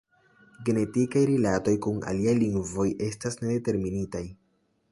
Genetikaj rilatoj kun aliaj lingvoj estas ne determinitaj.